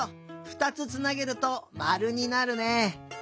ふたつつなげるとまるになるね。